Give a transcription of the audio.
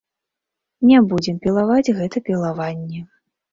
Не будзем пілаваць гэта пілавінне.